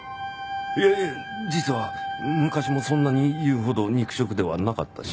いや実は昔もそんなに言うほど肉食ではなかったし